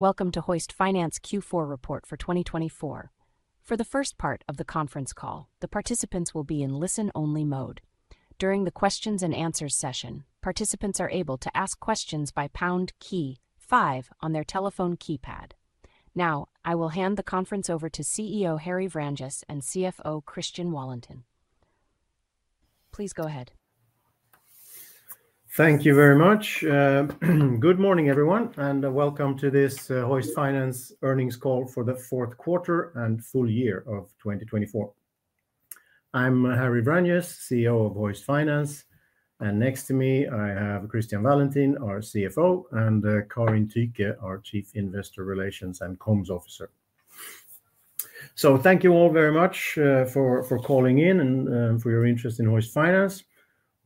Welcome to Hoist Finance Q4 report for 2024. For the first part of the conference call, the participants will be in listen-only mode. During the questions and answers session, participants are able to ask questions by pound key five on their telephone keypad. Now, I will hand the conference over to CEO Harry Vranjes and CFO Christian Wallentin. Please go ahead. Thank you very much. Good morning, everyone, and welcome to this Hoist Finance earnings call for the fourth quarter and full year of 2024. I'm Harry Vranjes, CEO of Hoist Finance, and next to me I have Christian Wallentin, our CFO, and Karin Tyche, our Chief Investor Relations and Comms Officer. So thank you all very much for calling in and for your interest in Hoist Finance.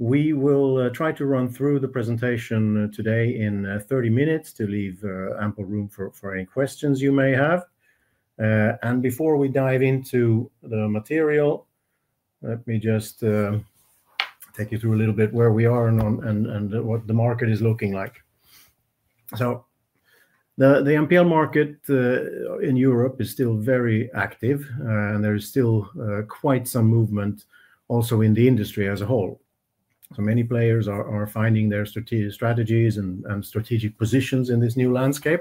We will try to run through the presentation today in 30 minutes to leave ample room for any questions you may have. And before we dive into the material, let me just take you through a little bit where we are and what the market is looking like. So the NPL market in Europe is still very active, and there is still quite some movement also in the industry as a whole. So many players are finding their strategies and strategic positions in this new landscape.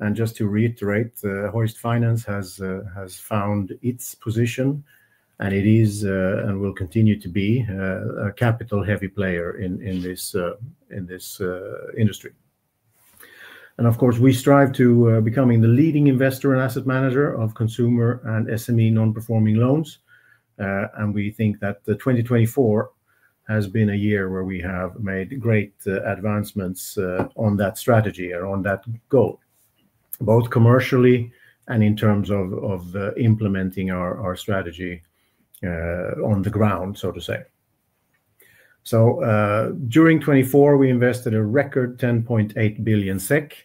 And just to reiterate, Hoist Finance has found its position, and it is and will continue to be a capital-heavy player in this industry. And of course, we strive to become the leading investor and asset manager of consumer and SME non-performing loans. And we think that 2024 has been a year where we have made great advancements on that strategy and on that goal, both commercially and in terms of implementing our strategy on the ground, so to say. So during 2024, we invested a record 10.8 billion SEK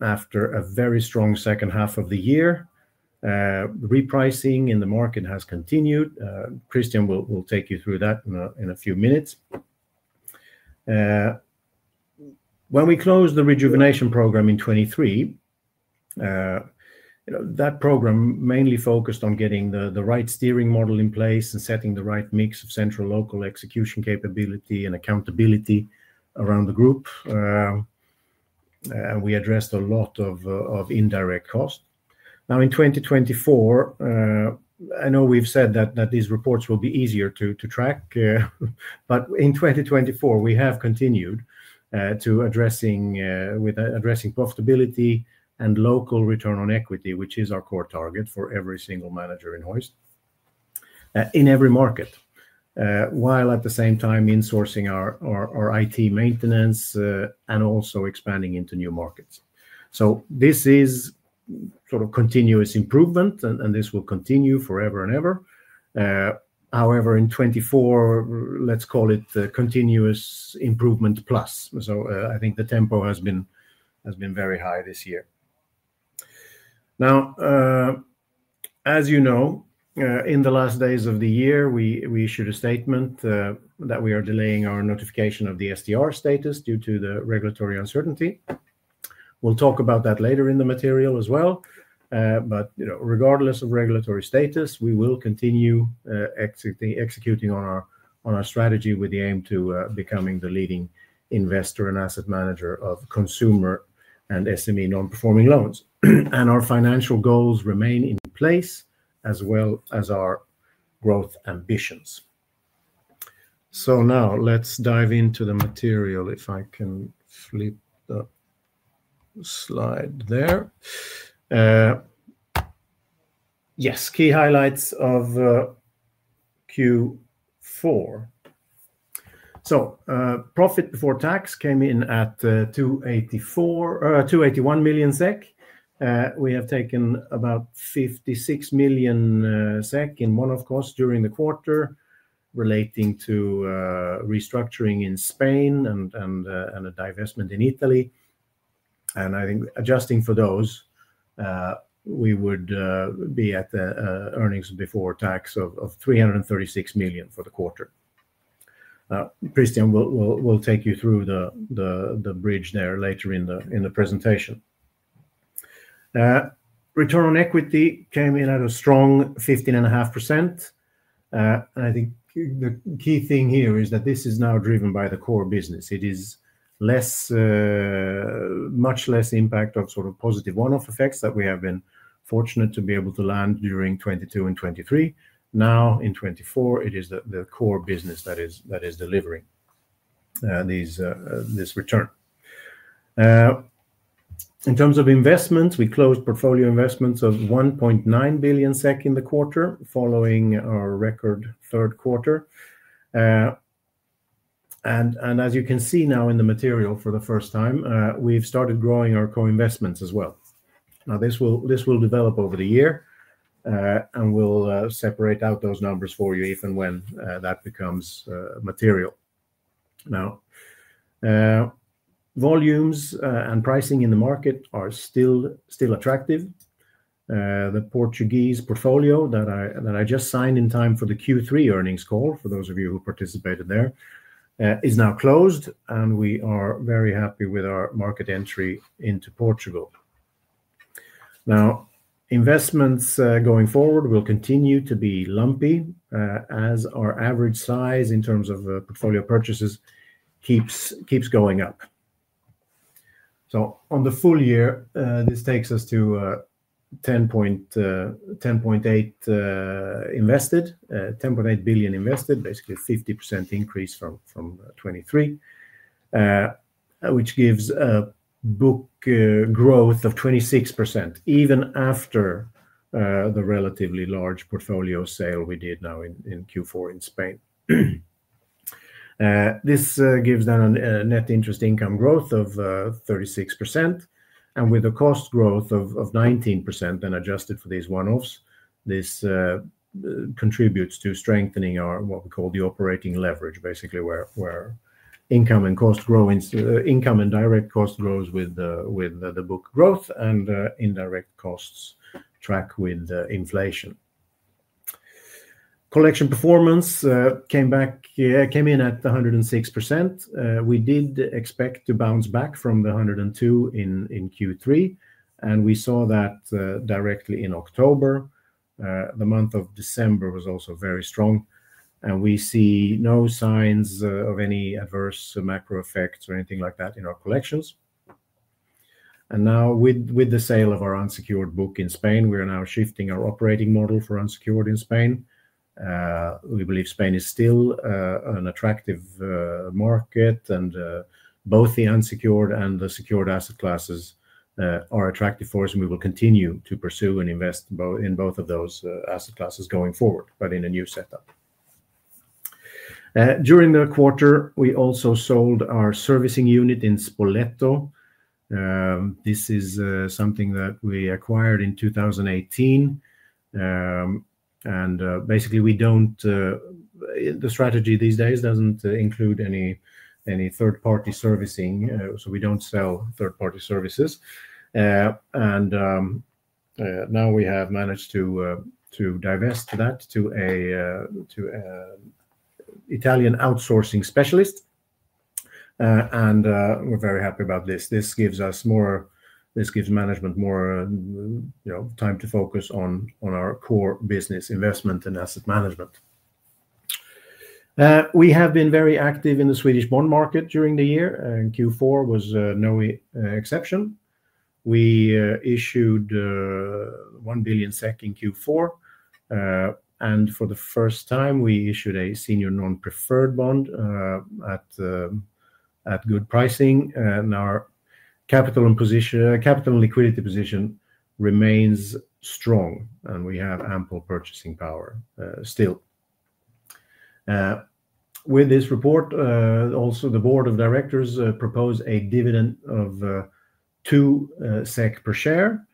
after a very strong second half of the year. Repricing in the market has continued. Christian will take you through that in a few minutes. When we closed the rejuvenation program in 2023, that program mainly focused on getting the right steering model in place and setting the right mix of central-local execution capability and accountability around the group. We addressed a lot of indirect costs. Now, in 2024, I know we've said that these reports will be easier to track, but in 2024, we have continued with addressing profitability and local return on equity, which is our core target for every single manager in Hoist, in every market, while at the same time insourcing our IT maintenance and also expanding into new markets. So this is sort of continuous improvement, and this will continue forever and ever. However, in 2024, let's call it continuous improvement plus. So I think the tempo has been very high this year. Now, as you know, in the last days of the year, we issued a statement that we are delaying our notification of the SDR status due to the regulatory uncertainty. We'll talk about that later in the material as well. But regardless of regulatory status, we will continue executing on our strategy with the aim to becoming the leading investor and asset manager of consumer and SME non-performing loans. And our financial goals remain in place, as well as our growth ambitions. So now let's dive into the material, if I can flip the slide there. Yes, key highlights of Q4. So profit before tax came in at 281 million SEK. We have taken about 56 million SEK in one-off costs during the quarter relating to restructuring in Spain and a divestment in Italy. I think adjusting for those, we would be at earnings before tax of 336 million SEK for the quarter. Christian will take you through the bridge there later in the presentation. Return on equity came in at a strong 15.5%. I think the key thing here is that this is now driven by the core business. It is much less impact of sort of positive one-off effects that we have been fortunate to be able to land during 2022 and 2023. Now in 2024, it is the core business that is delivering this return. In terms of investments, we closed portfolio investments of 1.9 billion SEK in the quarter following our record third quarter. As you can see now in the material for the first time, we've started growing our co-investments as well. Now, this will develop over the year, and we'll separate out those numbers for you if and when that becomes material. Now, volumes and pricing in the market are still attractive. The Portuguese portfolio that I just signed in time for the Q3 earnings call, for those of you who participated there, is now closed, and we are very happy with our market entry into Portugal. Now, investments going forward will continue to be lumpy as our average size in terms of portfolio purchases keeps going up. So on the full year, this takes us to 10.8 billion invested, basically a 50% increase from 2023, which gives a book growth of 26% even after the relatively large portfolio sale we did now in Q4 in Spain. This gives then a net interest income growth of 36%. With a cost growth of 19% and adjusted for these one-offs, this contributes to strengthening our what we call the operating leverage, basically where income and direct cost grows with the book growth and indirect costs track with inflation. Collection performance came in at 106%. We did expect to bounce back from the 102% in Q3, and we saw that directly in October. The month of December was also very strong, and we see no signs of any adverse macro effects or anything like that in our collections. Now, with the sale of our unsecured book in Spain, we are now shifting our operating model for unsecured in Spain. We believe Spain is still an attractive market, and both the unsecured and the secured asset classes are attractive for us, and we will continue to pursue and invest in both of those asset classes going forward, but in a new setup. During the quarter, we also sold our servicing unit in Spoleto. This is something that we acquired in 2018, and basically, the strategy these days doesn't include any third-party servicing, so we don't sell third-party services, and now we have managed to divest that to an Italian outsourcing specialist, and we're very happy about this. This gives management more time to focus on our core business, investment, and asset management. We have been very active in the Swedish bond market during the year, and Q4 was no exception. We issued 1 billion SEK in Q4, and for the first time, we issued a senior non-preferred bond at good pricing. Our capital and liquidity position remains strong, and we have ample purchasing power still. With this report, also, the board of directors proposed a dividend of 2 SEK per share,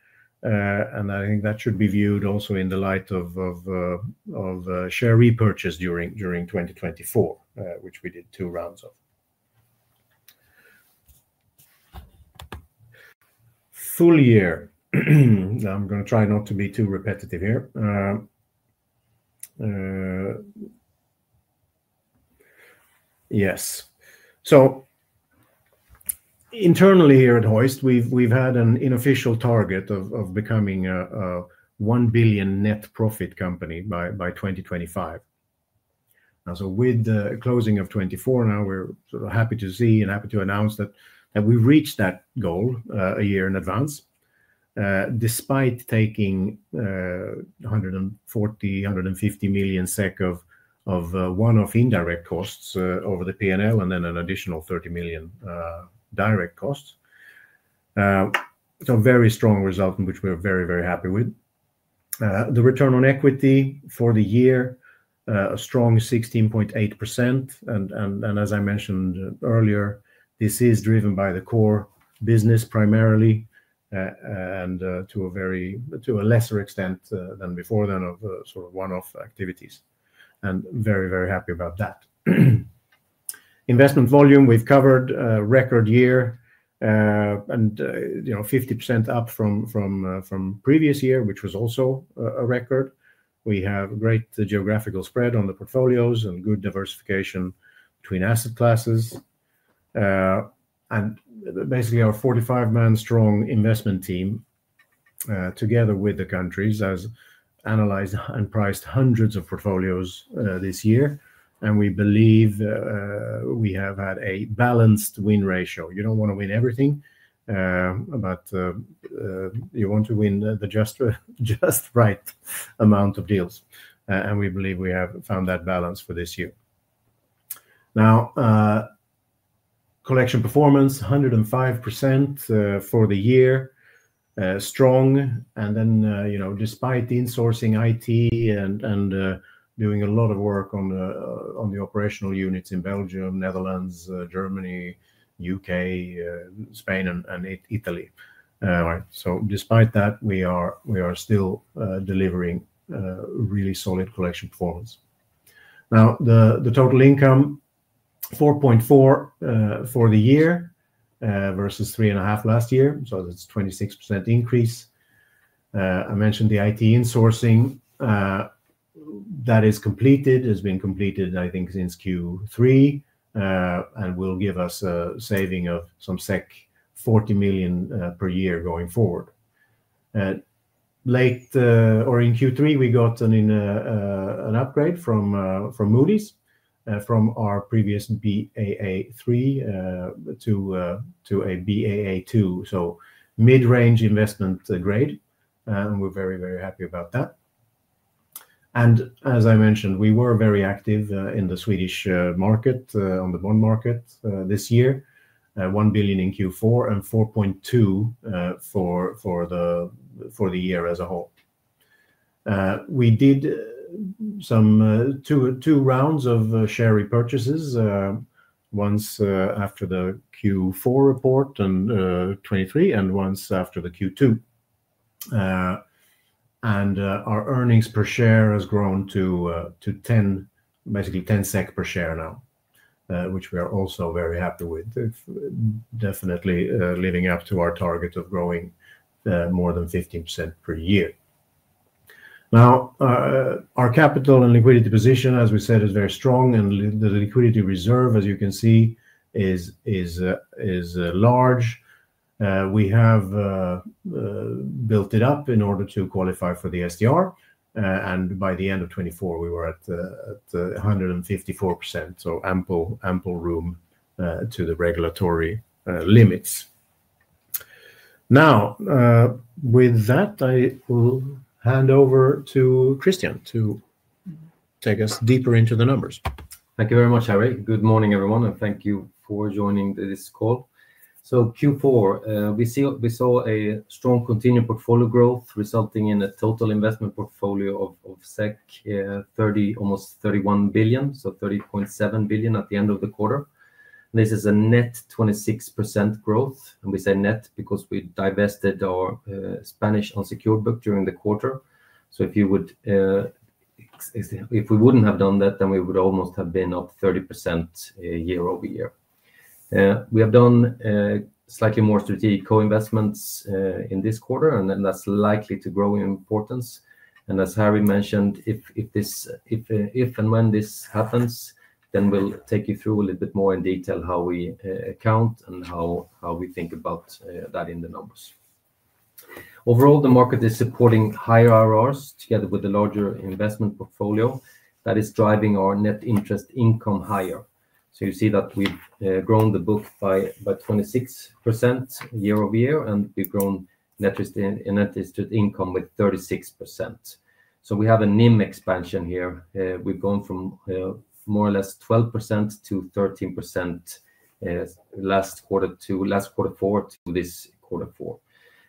and I think that should be viewed also in the light of share repurchase during 2024, which we did two rounds of. Full year. I'm going to try not to be too repetitive here. Yes. Internally here at Hoist, we've had an unofficial target of becoming a 1 billion net profit company by 2025. With the closing of 2024, now we're sort of happy to see and happy to announce that we reached that goal a year in advance, despite taking 140-150 million SEK of one-off indirect costs over the P&L and then an additional 30 million SEK direct costs. So very strong result, which we're very, very happy with. The return on equity for the year, a strong 16.8%. And as I mentioned earlier, this is driven by the core business primarily and to a lesser extent than before then of sort of one-off activities. And very, very happy about that. Investment volume, we've covered a record year and 50% up from previous year, which was also a record. We have great geographical spread on the portfolios and good diversification between asset classes. Basically, our 45-man strong investment team, together with the countries, has analyzed and priced hundreds of portfolios this year. And we believe we have had a balanced win ratio. You don't want to win everything, but you want to win just the right amount of deals. And we believe we have found that balance for this year. Now, collection performance: 105% for the year. Strong. And then despite the insourcing IT and doing a lot of work on the operational units in Belgium, Netherlands, Germany, UK, Spain, and Italy. So despite that, we are still delivering really solid collection performance. Now, the total income: 4.4 for the year versus 3.5 last year. So that's a 26% increase. I mentioned the IT insourcing that has been completed, I think, since Q3 and will give us a saving of some 40 million per year going forward. In Q3, we got an upgrade from Moody's from our previous Baa3 to a Baa2, so mid-range investment grade, and we're very, very happy about that, and as I mentioned, we were very active in the Swedish market, on the bond market this year, 1 billion in Q4 and 4.2 billion for the year as a whole. We did two rounds of share repurchases, once after the Q4 report in 2023 and once after the Q2. And our earnings per share has grown to basically 10 SEK per share now, which we are also very happy with, definitely living up to our target of growing more than 15% per year. Now, our capital and liquidity position, as we said, is very strong, and the liquidity reserve, as you can see, is large. We have built it up in order to qualify for the SDR. By the end of 2024, we were at 154%, so ample room to the regulatory limits. Now, with that, I will hand over to Christian to take us deeper into the numbers. Thank you very much, Harry. Good morning, everyone, and thank you for joining this call. Q4, we saw a strong continued portfolio growth resulting in a total investment portfolio of SEK almost 31 billion, so 30.7 billion at the end of the quarter. This is a net 26% growth. We say net because we divested our Spanish unsecured book during the quarter. If we wouldn't have done that, then we would almost have been up 30% year over year. We have done slightly more strategic co-investments in this quarter, and that's likely to grow in importance. As Harry mentioned, if and when this happens, then we'll take you through a little bit more in detail how we count and how we think about that in the numbers. Overall, the market is supporting higher RRs together with the larger investment portfolio that is driving our net interest income higher. You see that we've grown the book by 26% year over year, and we've grown net interest income with 36%. We have a NIM expansion here. We've gone from more or less 12% to 13% last quarter to last quarter four to this quarter four.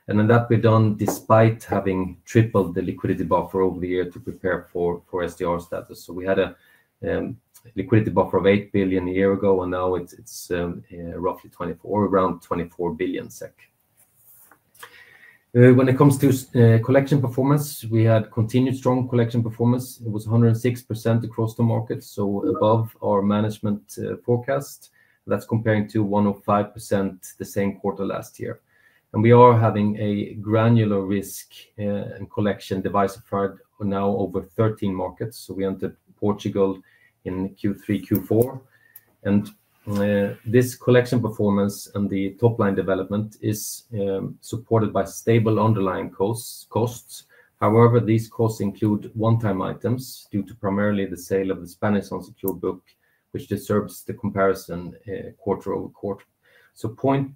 That we've done despite having tripled the liquidity buffer over the year to prepare for SDR status. We had a liquidity buffer of 8 billion a year ago, and now it's roughly around 24 billion SEK. When it comes to collection performance, we had continued strong collection performance. It was 106% across the market, so above our management forecast. That's comparing to 105% the same quarter last year, and we are having a granular risk and collection advice for now over 13 markets. So we entered Portugal in Q3, Q4. And this collection performance and the top-line development is supported by stable underlying costs. However, these costs include one-time items due to primarily the sale of the Spanish unsecured book, which distorts the comparison quarter over quarter. So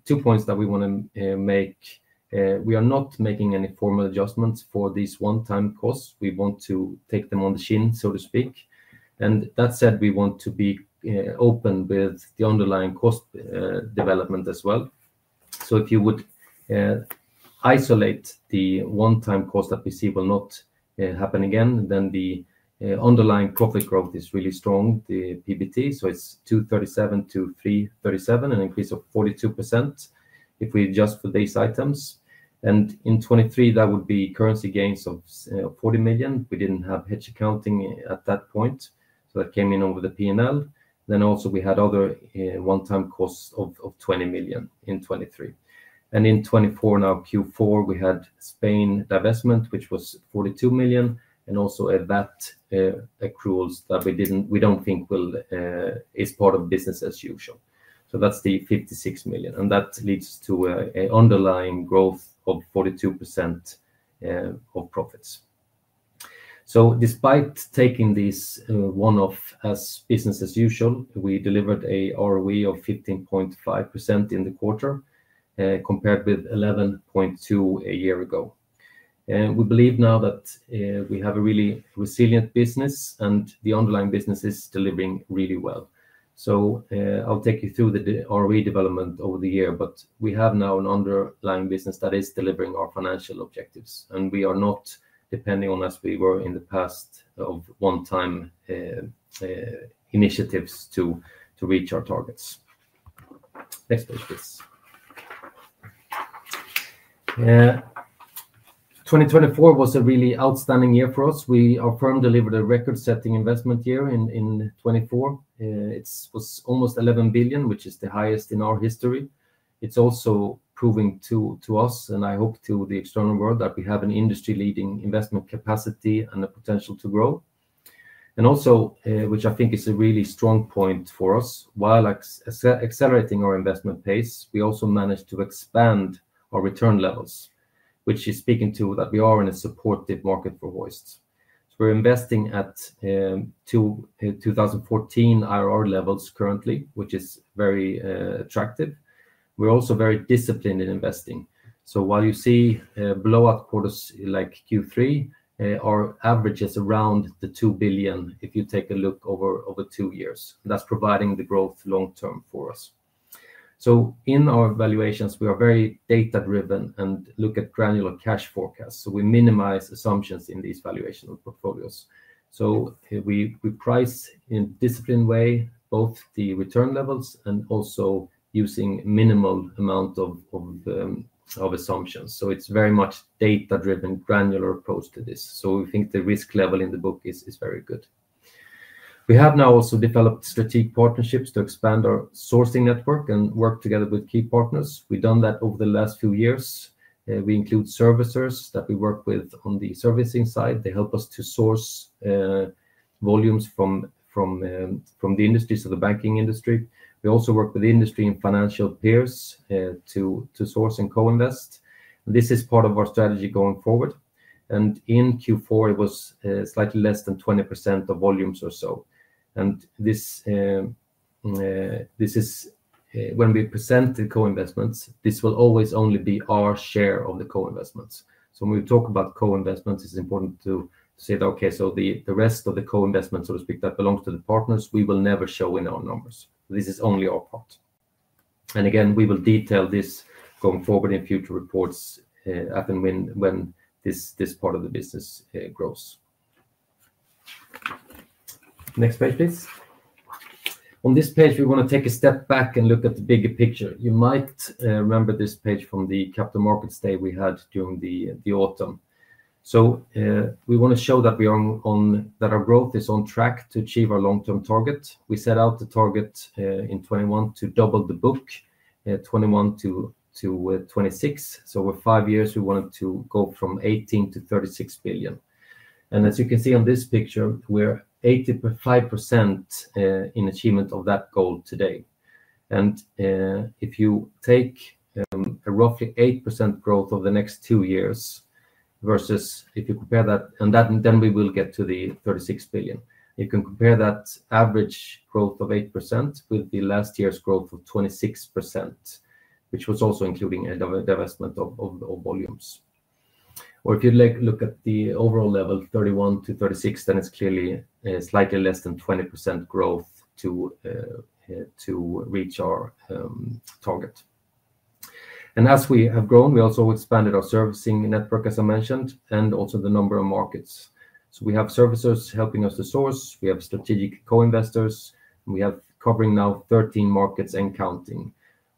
two points that we want to make. We are not making any formal adjustments for these one-time costs. We want to take them on the chin, so to speak. And that said, we want to be open with the underlying cost development as well. So if you would isolate the one-time cost that we see will not happen again, then the underlying profit growth is really strong, the PBT. It's 237 million-337 million, an increase of 42% if we adjust for these items. In 2023, that would be currency gains of 40 million. We didn't have hedge accounting at that point, so that came in over the P&L. Then also, we had other one-time costs of 20 million in 2023. In 2024, now Q4, we had Spain divestment, which was 42 million, and also a VAT accrual that we don't think is part of business as usual. That's the 56 million. That leads to an underlying growth of 42% of profits. Despite taking this one-off as business as usual, we delivered a ROE of 15.5% in the quarter compared with 11.2% a year ago. We believe now that we have a really resilient business, and the underlying business is delivering really well. I'll take you through the ROE development over the year, but we have now an underlying business that is delivering our financial objectives. We are not depending on, as we were in the past, of one-time initiatives to reach our targets. Next page, please. 2024 was a really outstanding year for us. Our firm delivered a record-setting investment year in 2024. It was almost 11 billion, which is the highest in our history. It's also proving to us, and I hope to the external world, that we have an industry-leading investment capacity and the potential to grow. Also, which I think is a really strong point for us, while accelerating our investment pace, we also managed to expand our return levels, which is speaking to that we are in a supportive market for Hoist. We're investing at 2014 IRR levels currently, which is very attractive. We're also very disciplined in investing. While you see blowout quarters like Q3, our average is around 2 billion if you take a look over two years. That's providing the growth long-term for us. In our valuations, we are very data-driven and look at granular cash forecasts. We minimize assumptions in these valuation portfolios. We price in a disciplined way, both the return levels and also using a minimal amount of assumptions. It's very much data-driven, granular approach to this. We think the risk level in the book is very good. We have now also developed strategic partnerships to expand our sourcing network and work together with key partners. We've done that over the last few years. We include servicers that we work with on the servicing side. They help us to source volumes from the industry, so the banking industry. We also work with industry and financial peers to source and co-invest. This is part of our strategy going forward, and in Q4, it was slightly less than 20% of volumes or so, and this is when we present the co-investments. This will always only be our share of the co-investments, so when we talk about co-investments, it's important to say that, okay, so the rest of the co-investments, so to speak, that belongs to the partners, we will never show in our numbers. This is only our part. Again, we will detail this going forward in future reports when this part of the business grows. Next page, please. On this page, we want to take a step back and look at the bigger picture. You might remember this page from the Capital Markets Day we had during the autumn. We want to show that our growth is on track to achieve our long-term target. We set out the target in 2021 to double the book, 2021 to 2026. Over five years, we wanted to go from 18 billion to 36 billion. As you can see on this picture, we're 85% in achievement of that goal today. If you take a roughly 8% growth over the next two years versus if you compare that, and then we will get to the 36 billion. You can compare that average growth of 8% with last year's growth of 26%, which was also including a divestment of volumes. Or if you look at the overall level, 2031 to 2036, then it's clearly slightly less than 20% growth to reach our target. As we have grown, we also expanded our servicing network, as I mentioned, and also the number of markets. So we have servicers helping us to source. We have strategic co-investors. We are covering now 13 markets and counting.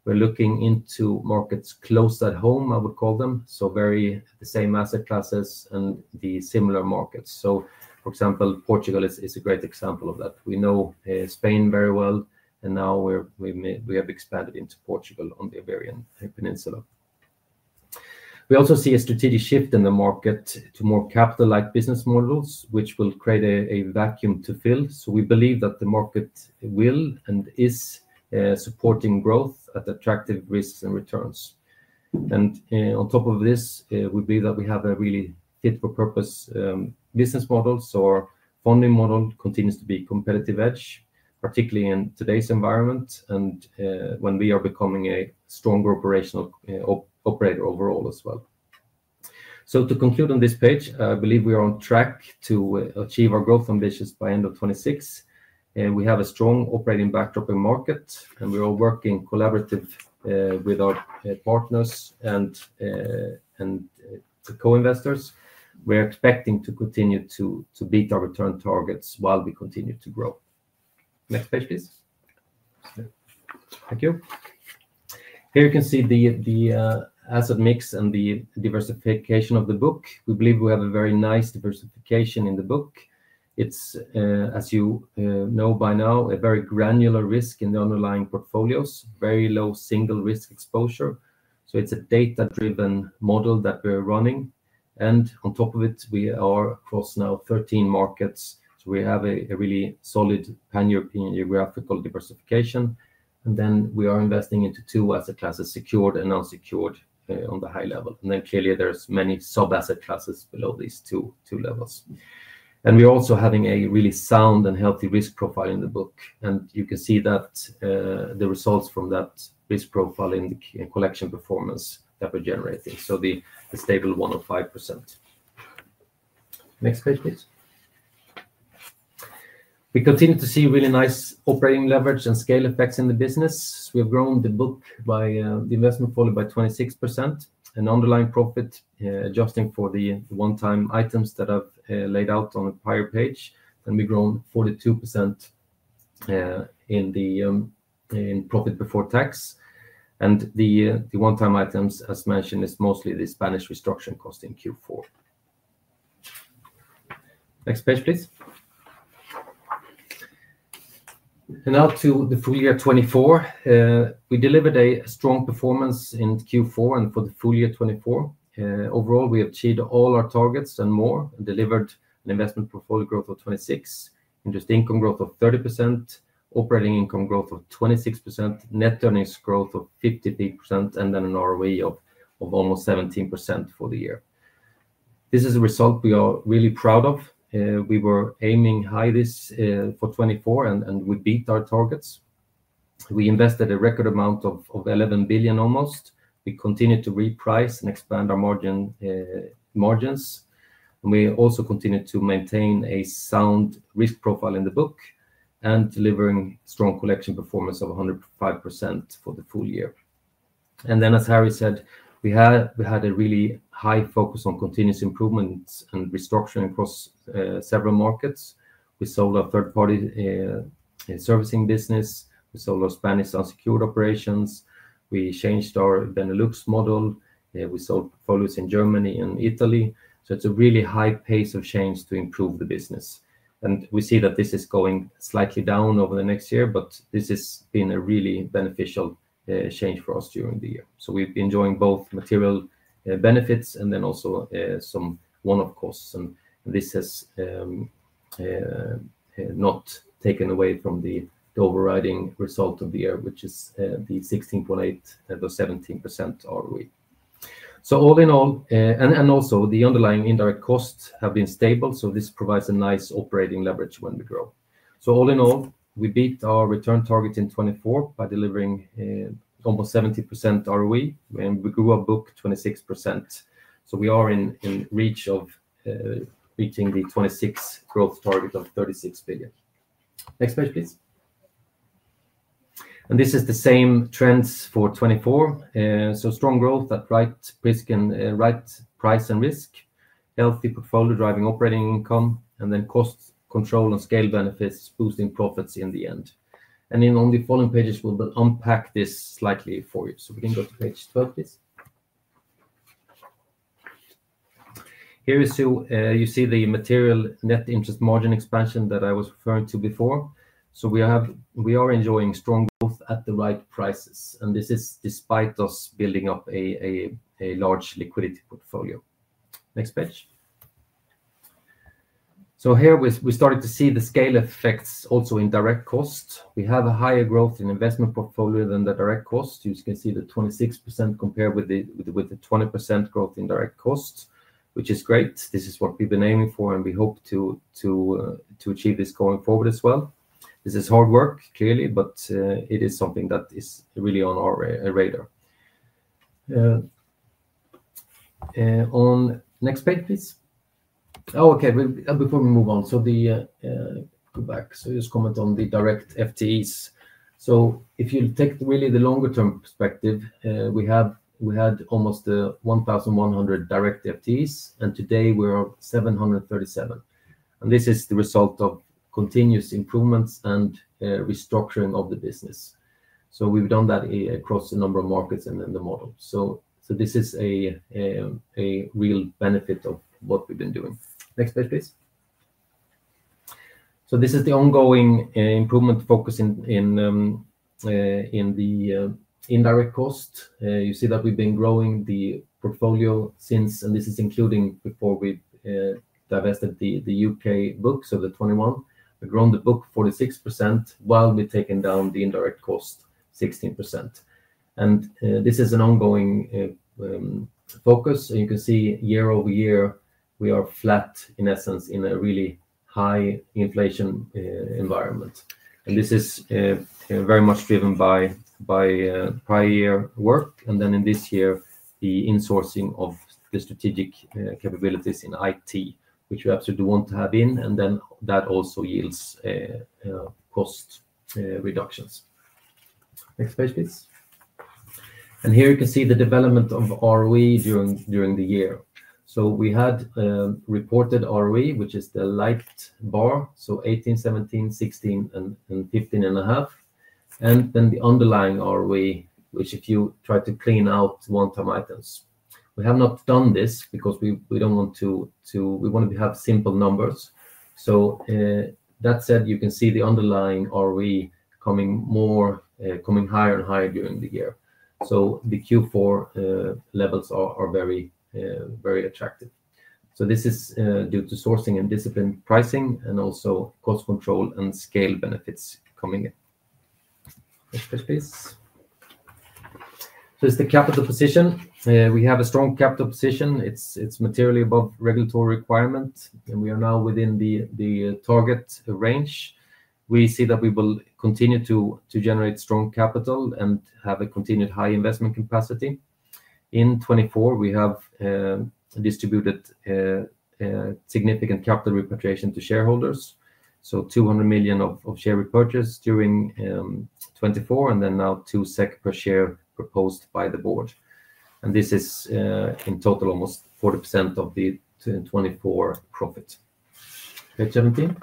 We're looking into markets close at home, I would call them, so very much the same asset classes and the similar markets. So for example, Portugal is a great example of that. We know Spain very well, and now we have expanded into Portugal on the Iberian Peninsula. We also see a strategic shift in the market to more capital-like business models, which will create a vacuum to fill. So we believe that the market will and is supporting growth at attractive risks and returns. And on top of this, we believe that we have a really fit-for-purpose business model. So our funding model continues to be competitive edge, particularly in today's environment and when we are becoming a stronger operational operator overall as well. So to conclude on this page, I believe we are on track to achieve our growth ambitions by end of 2026. We have a strong operating backdrop in market, and we are working collaboratively with our partners and co-investors. We're expecting to continue to beat our return targets while we continue to grow. Next page, please. Thank you. Here you can see the asset mix and the diversification of the book. We believe we have a very nice diversification in the book. It's, as you know by now, a very granular risk in the underlying portfolios, very low single risk exposure. So it's a data-driven model that we're running. And on top of it, we are across now 13 markets. So we have a really solid pan-European geographical diversification. And then we are investing into two asset classes, secured and unsecured, on the high level. And then clearly, there's many sub-asset classes below these two levels. And we're also having a really sound and healthy risk profile in the book. And you can see that the results from that risk profile in the collection performance that we're generating, so the stable 105%. Next page, please. We continue to see really nice operating leverage and scale effects in the business. We have grown the book by the investment portfolio by 26% and underlying profit, adjusting for the one-time items that I've laid out on the prior page, and we've grown 42% in profit before tax. The one-time items, as mentioned, is mostly the Spanish restructuring cost in Q4. Next page, please. Now to the full year 2024. We delivered a strong performance in Q4 and for the full year 2024. Overall, we achieved all our targets and more, delivered an investment portfolio growth of 26%, interest income growth of 30%, operating income growth of 26%, net earnings growth of 50%, and then an ROE of almost 17% for the year. This is a result we are really proud of. We were aiming high this for 2024, and we beat our targets. We invested a record amount of almost 11 billion. We continued to reprice and expand our margins. We also continued to maintain a sound risk profile in the book and delivering strong collection performance of 105% for the full year, and then, as Harry said, we had a really high focus on continuous improvements and restructuring across several markets. We sold our third-party servicing business. We sold our Spanish unsecured operations. We changed our Benelux model. We sold portfolios in Germany and Italy, so it's a really high pace of change to improve the business, and we see that this is going slightly down over the next year, but this has been a really beneficial change for us during the year, so we've been enjoying both material benefits and then also some one-off costs, and this has not taken away from the overriding result of the year, which is the 16.8%-17% ROE, so all in all, and also the underlying indirect costs have been stable. This provides a nice operating leverage when we grow. So all in all, we beat our return target in 2024 by delivering almost 70% ROE, and we grew our book 26%. So we are in reach of reaching the 2026 growth target of 36 billion SEK. Next page, please. And this is the same trends for 2024. So strong growth at right price and risk, healthy portfolio driving operating income, and then cost control and scale benefits boosting profits in the end. And then on the following pages, we'll unpack this slightly for you. So we can go to page 12, please. Here you see the material net interest margin expansion that I was referring to before. So we are enjoying strong growth at the right prices. And this is despite us building up a large liquidity portfolio. Next page. So here we started to see the scale effects also in direct cost. We have a higher growth in investment portfolio than the direct cost. You can see the 26% compared with the 20% growth in direct cost, which is great. This is what we've been aiming for, and we hope to achieve this going forward as well. This is hard work, clearly, but it is something that is really on our radar. On next page, please. Oh, okay. Before we move on, so go back. So just comment on the direct FTEs. So if you take really the longer-term perspective, we had almost 1,100 direct FTEs, and today we are 737. And this is the result of continuous improvements and restructuring of the business. So we've done that across a number of markets and in the model. So this is a real benefit of what we've been doing. Next page, please. So this is the ongoing improvement focus in the indirect cost. You see that we've been growing the portfolio since, and this is including before we divested the UK book of the 2021. We've grown the book 46% while we've taken down the indirect cost 16%. And this is an ongoing focus. You can see year over year, we are flat in essence in a really high inflation environment. And this is very much driven by prior year work. And then in this year, the insourcing of the strategic capabilities in IT, which we absolutely want to have in, and then that also yields cost reductions. Next page, please. And here you can see the development of ROE during the year. So we had reported ROE, which is the light bar, so 18, 17, 16, and 15.5. And then the underlying ROE, which if you try to clean out one-time items. We have not done this because we don't want to. We want to have simple numbers. So that said, you can see the underlying ROE coming higher and higher during the year. So the Q4 levels are very attractive. So this is due to sourcing and discipline pricing and also cost control and scale benefits coming in. Next page, please. So it's the capital position. We have a strong capital position. It's materially above regulatory requirement, and we are now within the target range. We see that we will continue to generate strong capital and have a continued high investment capacity. In 2024, we have distributed significant capital repatriation to shareholders. So 200 million of share repurchase during 2024, and then now two SEK per share proposed by the board. And this is in total almost 40% of the 2024 profit. Page 17.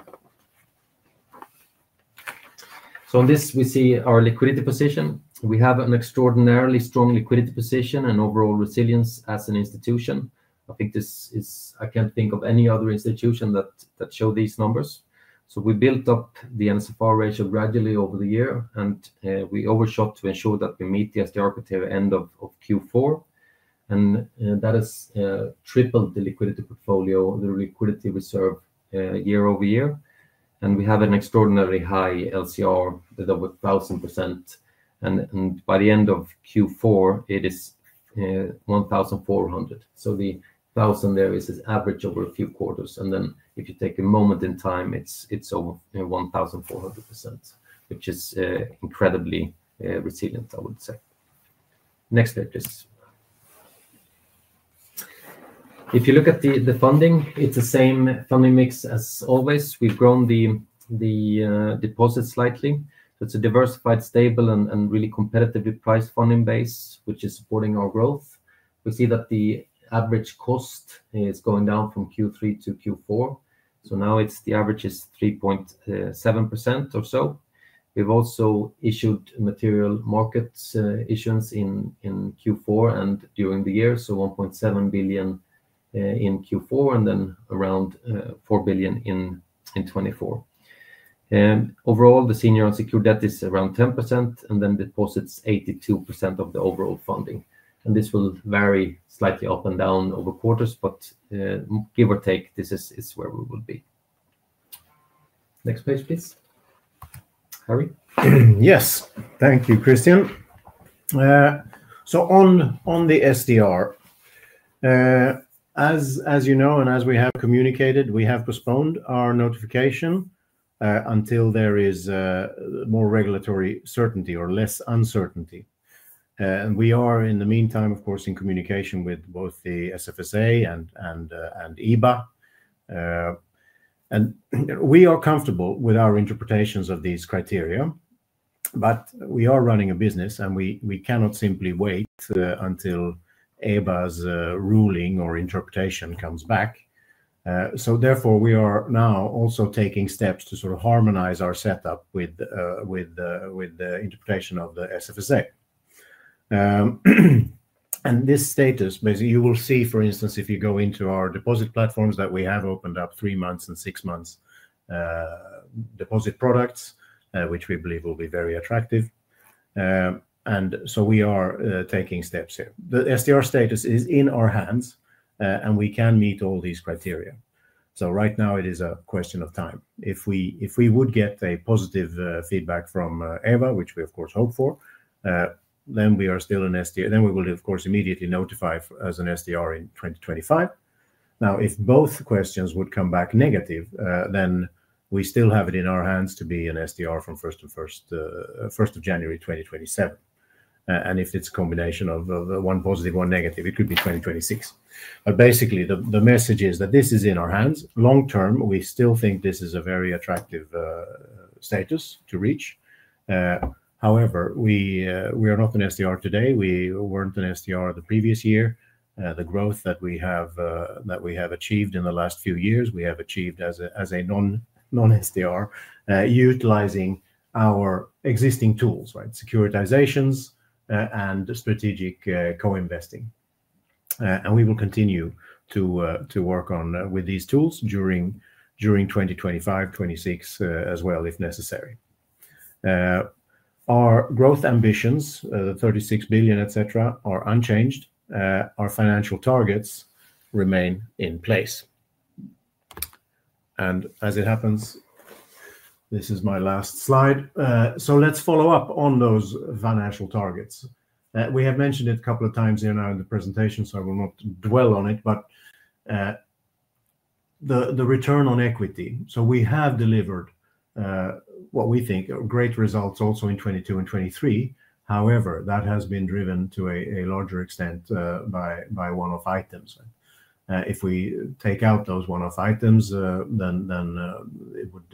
So on this, we see our liquidity position. We have an extraordinarily strong liquidity position and overall resilience as an institution. I think this is. I can't think of any other institution that showed these numbers. So we built up the NSFR ratio gradually over the year, and we overshot to ensure that we meet the SDR criteria end of Q4. And that has tripled the liquidity portfolio, the liquidity reserve year over year. And we have an extraordinarily high LCR with 1,000%. And by the end of Q4, it is 1,400%. So the 1,000 there is average over a few quarters. And then if you take a moment in time, it's over 1,400%, which is incredibly resilient, I would say. Next page, please. If you look at the funding, it's the same funding mix as always. We've grown the deposit slightly. It's a diversified, stable, and really competitively priced funding base, which is supporting our growth. We see that the average cost is going down from Q3 to Q4. Now the average is 3.7% or so. We've also issued material market issuance in Q4 and during the year, so 1.7 billion in Q4 and then around 4 billion in 2024. Overall, the senior unsecured debt is around 10%, and then deposits 82% of the overall funding. This will vary slightly up and down over quarters, but give or take, this is where we will be. Next page, please. Harry. Yes. Thank you, Christian. On the SDR, as you know and as we have communicated, we have postponed our notification until there is more regulatory certainty or less uncertainty. And we are, in the meantime, of course, in communication with both the SFSA and EBA. And we are comfortable with our interpretations of these criteria, but we are running a business, and we cannot simply wait until EBA's ruling or interpretation comes back. So therefore, we are now also taking steps to sort of harmonize our setup with the interpretation of the SFSA. And this status, basically, you will see, for instance, if you go into our deposit platforms that we have opened up three months and six months deposit products, which we believe will be very attractive. And so we are taking steps here. The SDR status is in our hands, and we can meet all these criteria. So right now, it is a question of time. If we would get a positive feedback from EBA, which we, of course, hope for, then we are still in SDR. Then we will, of course, immediately notify as an SDR in 2025. Now, if both questions would come back negative, then we still have it in our hands to be an SDR from 1st of January 2027, and if it's a combination of one positive, one negative, it could be 2026, but basically, the message is that this is in our hands. Long term, we still think this is a very attractive status to reach. However, we are not an SDR today. We weren't an SDR the previous year. The growth that we have achieved in the last few years, we have achieved as a non-SDR, utilizing our existing tools, right? Securitizations and strategic co-investing, and we will continue to work with these tools during 2025, 2026 as well, if necessary. Our growth ambitions, the 36 billion, etc., are unchanged. Our financial targets remain in place. As it happens, this is my last slide. Let's follow up on those financial targets. We have mentioned it a couple of times here now in the presentation, so I will not dwell on it, but the return on equity. We have delivered what we think are great results also in 2022 and 2023. However, that has been driven to a larger extent by one-off items. If we take out those one-off items, then it would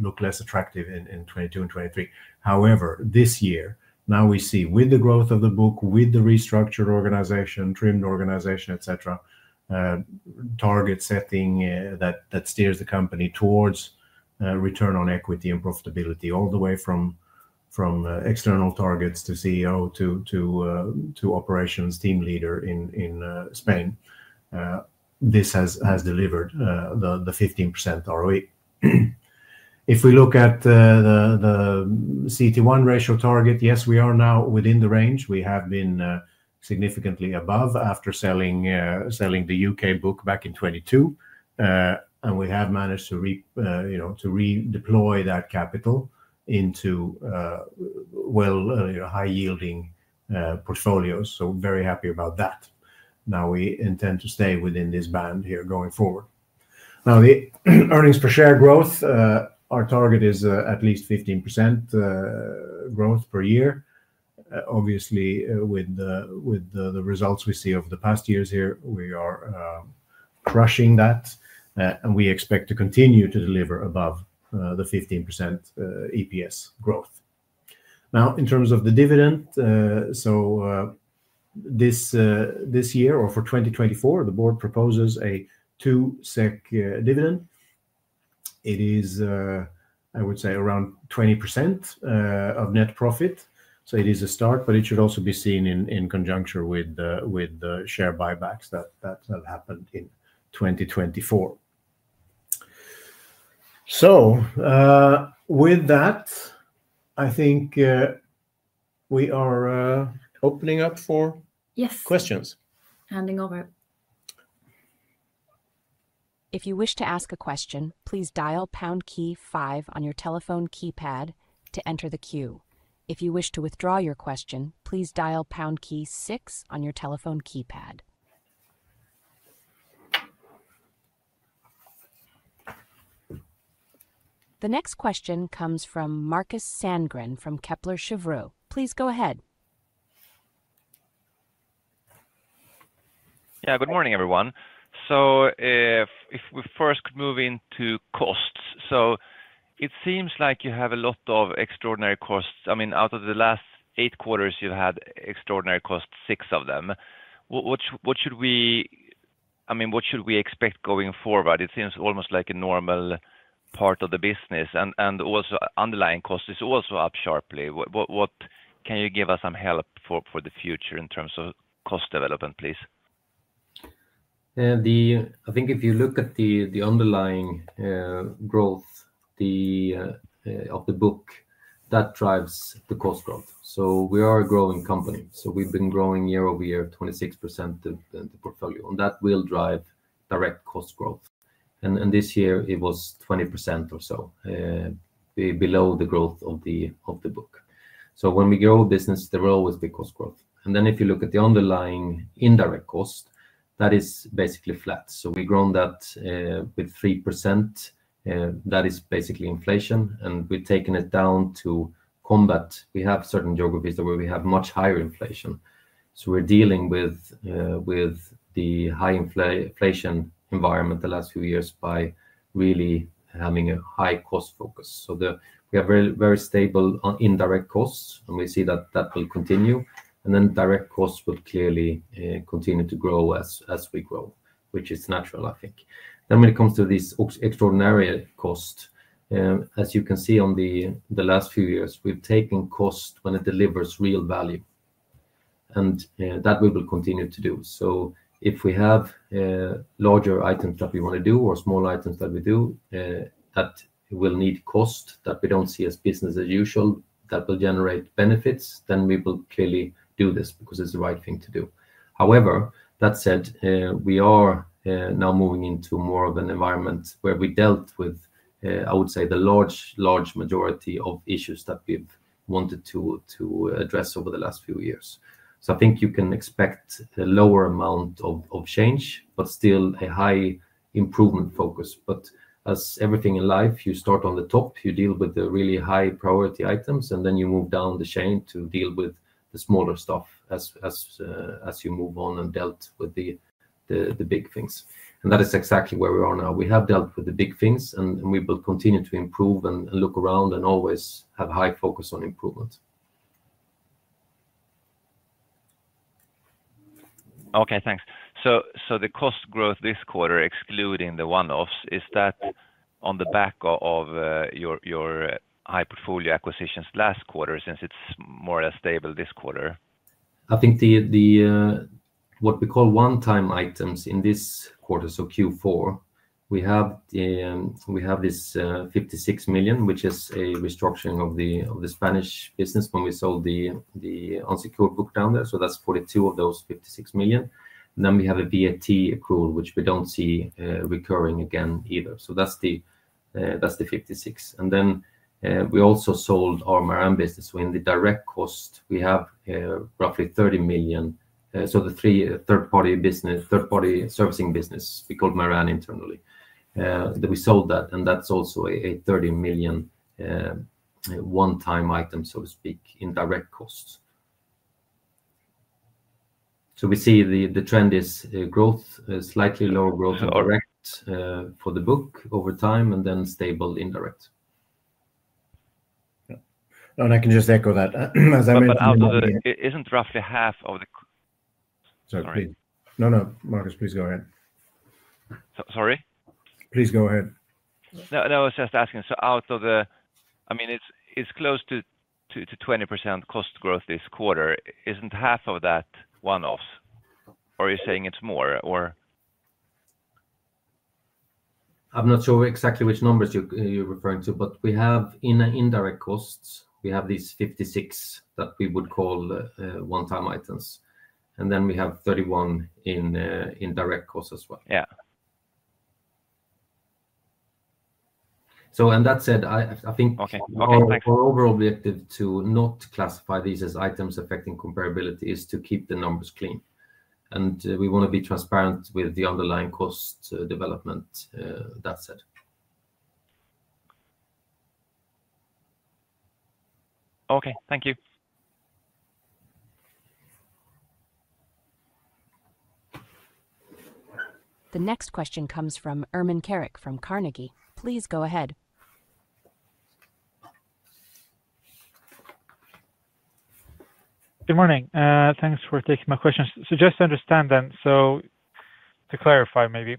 look less attractive in 2022 and 2023. However, this year, now we see with the growth of the book, with the restructured organization, trimmed organization, etc., target setting that steers the company towards return on equity and profitability all the way from external targets to CEO to operations team leader in Spain. This has delivered the 15% ROE. If we look at the CET1 ratio target, yes, we are now within the range. We have been significantly above after selling the U.K. book back in 2022, and we have managed to redeploy that capital into well-high-yielding portfolios. So very happy about that. Now we intend to stay within this band here going forward. Now, the earnings per share growth, our target is at least 15% growth per year. Obviously, with the results we see over the past years here, we are crushing that, and we expect to continue to deliver above the 15% EPS growth. Now, in terms of the dividend, so this year or for 2024, the board proposes a two 2 SEK dividend. It is, I would say, around 20% of net profit. So it is a start, but it should also be seen in conjunction with the share buybacks that have happened in 2024. So with that, I think we are opening up for questions. Yes. Handing over. If you wish to ask a question, please dial pound key five on your telephone keypad to enter the queue. If you wish to withdraw your question, please dial pound key six on your telephone keypad. The next question comes from Markus Sandgren from Kepler Cheuvreux. Please go ahead. Yeah. Good morning, everyone. So if we first could move into costs. So it seems like you have a lot of extraordinary costs. I mean, out of the last eight quarters, you've had extraordinary costs, six of them. What should we expect going forward? It seems almost like a normal part of the business. And also, underlying cost is also up sharply. What can you give us some help for the future in terms of cost development, please? I think if you look at the underlying growth of the book, that drives the cost growth. So we are a growing company. So we've been growing year over year, 26% of the portfolio. And that will drive direct cost growth. And this year, it was 20% or so, below the growth of the book. So when we grow a business, there will always be cost growth. And then if you look at the underlying indirect cost, that is basically flat. So we've grown that with 3%. That is basically inflation. And we've taken it down to combat. We have certain geographies where we have much higher inflation. So we're dealing with the high inflation environment the last few years by really having a high cost focus. So we have very stable indirect costs, and we see that that will continue. Direct costs will clearly continue to grow as we grow, which is natural, I think. Then when it comes to these extraordinary costs, as you can see on the last few years, we've taken costs when it delivers real value. And that we will continue to do. So if we have larger items that we want to do or small items that we do that will need costs that we don't see as business as usual, that will generate benefits, then we will clearly do this because it's the right thing to do. However, that said, we are now moving into more of an environment where we dealt with, I would say, the large majority of issues that we've wanted to address over the last few years. So I think you can expect a lower amount of change, but still a high improvement focus. But as everything in life, you start on the top. You deal with the really high priority items, and then you move down the chain to deal with the smaller stuff as you move on and dealt with the big things. And that is exactly where we are now. We have dealt with the big things, and we will continue to improve and look around and always have a high focus on improvement. Okay. Thanks. So the cost growth this quarter, excluding the one-offs, is that on the back of your high portfolio acquisitions last quarter since it's more or less stable this quarter? I think what we call one-time items in this quarter, so Q4, we have this 56 million, which is a restructuring of the Spanish business when we sold the unsecured book down there. So that's 42 million of those 56 million. Then we have a VAT accrual, which we don't see recurring again either. So that's the 56 million. And then we also sold our Maran business. So in the direct cost, we have roughly 30 million. So the third-party servicing business, we called Maran internally, that we sold that. And that's also a 30 million one-time item, so to speak, in direct costs. So we see the trend is growth, slightly lower growth in direct for the book over time, and then stable indirect. And I can just echo that. As I mentioned, isn't roughly half of the—sorry. No, no. Markus, please go ahead. Sorry? Please go ahead. No, I was just asking. So out of the—I mean, it's close to 20% cost growth this quarter. Isn't half of that one-offs? Or are you saying it's more? I'm not sure exactly which numbers you're referring to, but we have in indirect costs, we have these 56 million that we would call one-time items. And then we have 31 million in direct costs as well. Yeah. So that said, I think our overall objective to not classify these as items affecting comparability is to keep the numbers clean. And we want to be transparent with the underlying cost development. That said. Okay. Thank you. The next question comes from Ermin Keric from Carnegie. Please go ahead. Good morning. Thanks for taking my question. So just to understand then, so to clarify maybe,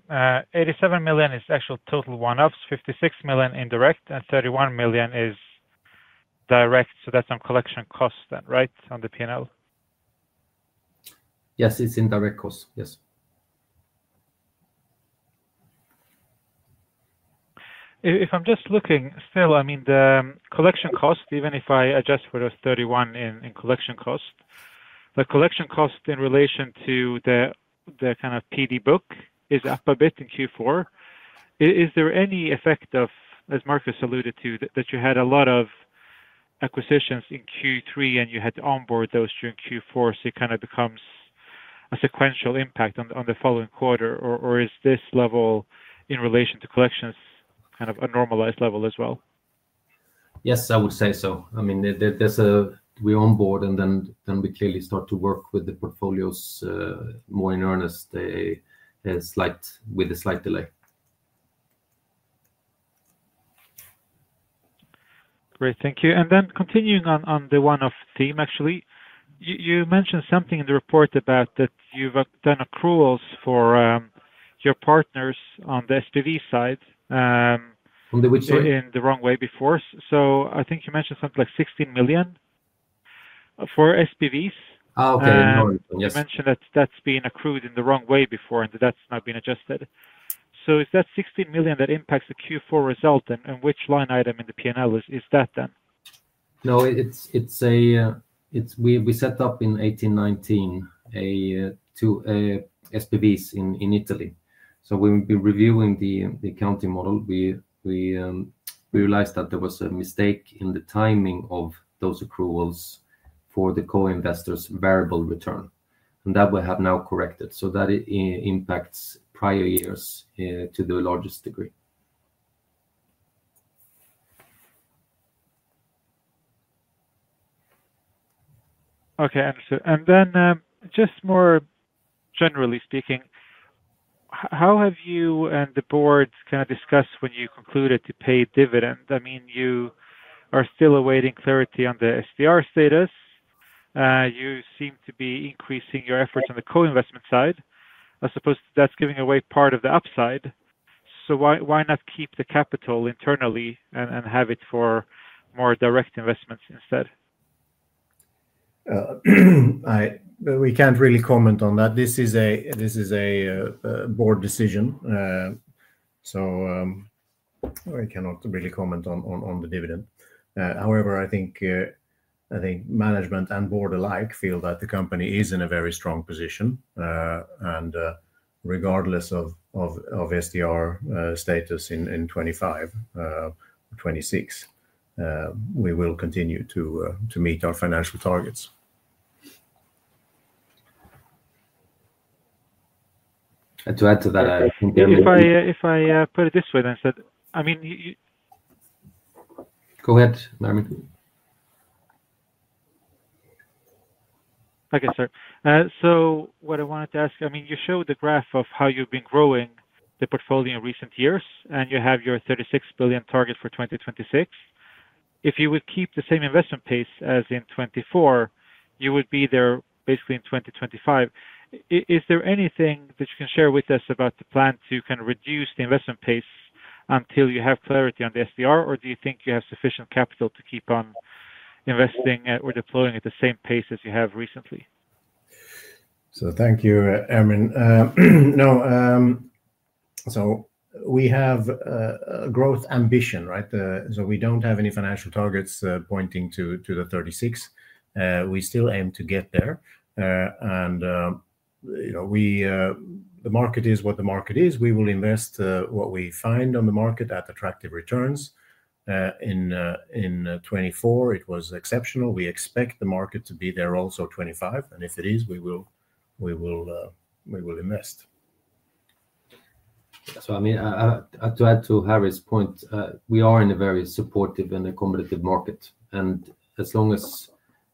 87 million is actual total one-offs, 56 million indirect, and 31 million is direct. So that's on collection cost then, right, on the P&L? Yes, it's indirect cost. Yes. If I'm just looking still, I mean, the collection cost, even if I adjust for those 31 in collection cost, the collection cost in relation to the kind of PD book is up a bit in Q4. Is there any effect of, as Markus alluded to, that you had a lot of acquisitions in Q3 and you had to onboard those during Q4, so it kind of becomes a sequential impact on the following quarter? Or is this level in relation to collections kind of a normalized level as well? Yes, I would say so. I mean, we onboard and then we clearly start to work with the portfolios more in earnest with a slight delay. Great. Thank you. And then continuing on the one-off theme, actually, you mentioned something in the report that you've done accruals for your partners on the SPV side. On the which side? In the wrong way before. So I think you mentioned something like 16 million for SPVs. Oh, okay. In order to, yes. You mentioned that that's been accrued in the wrong way before and that's not been adjusted. So is that 16 million that impacts the Q4 result and which line item in the P&L is that then? No, we set up 18-19 SPVs in Italy. So when we've been reviewing the accounting model, we realized that there was a mistake in the timing of those accruals for the co-investors' variable return. And that we have now corrected. So that impacts prior years to the largest degree. Okay. Understood. And then just more generally speaking, how have you and the board kind of discussed when you concluded to pay dividend? I mean, you are still awaiting clarity on the SDR status. You seem to be increasing your efforts on the co-investment side, as opposed to that. That's giving away part of the upside. So why not keep the capital internally and have it for more direct investments instead? We can't really comment on that. This is a board decision. So we cannot really comment on the dividend. However, I think management and board alike feel that the company is in a very strong position. And regardless of SDR status in 2025 or 2026, we will continue to meet our financial targets. To add to that, I think. Go ahead, Ermin. Okay. Sorry. So what I wanted to ask, I mean, you showed the graph of how you've been growing the portfolio in recent years, and you have your 36 billion target for 2026.If you would keep the same investment pace as in 2024, you would be there basically in 2025. Is there anything that you can share with us about the plan to kind of reduce the investment pace until you have clarity on the SDR, or do you think you have sufficient capital to keep on investing or deploying at the same pace as you have recently? So thank you, Ermin. No. So we have a growth ambition, right? So we don't have any financial targets pointing to the 36. We still aim to get there. And the market is what the market is. We will invest what we find on the market at attractive returns. In 2024, it was exceptional. We expect the market to be there also 2025. And if it is, we will invest. So I mean, to add to Harry's point, we are in a very supportive and accommodative market. And as long as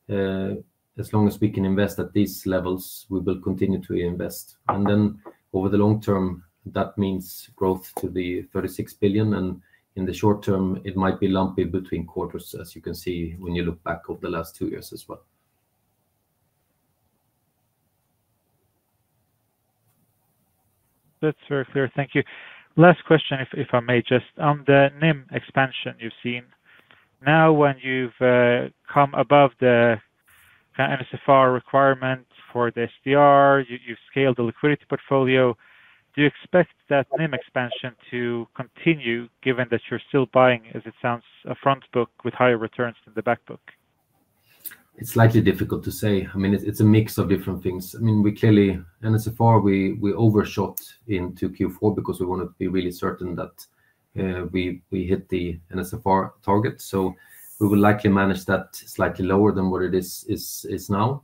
we can invest at these levels, we will continue to invest. And then over the long term, that means growth to 36 billion. And in the short term, it might be lumpy between quarters, as you can see when you look back over the last two years as well. That's very clear. Thank you. Last question, if I may, just on the NIM expansion you've seen. Now, when you've come above the NSFR requirement for the SDR, you've scaled the liquidity portfolio. Do you expect that NIM expansion to continue given that you're still buying, as it sounds, a front book with higher returns than the back book? It's slightly difficult to say. I mean, it's a mix of different things. I mean, we clearly, NSFR, we overshot into Q4 because we wanted to be really certain that we hit the NSFR target. So we will likely manage that slightly lower than what it is now.